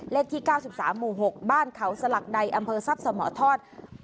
เลขที่๙๓หมู่๖บ้านเขาสลักใดอำเภอทรัพย์สมทอด